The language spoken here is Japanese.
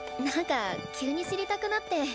何か急に知りたくなって。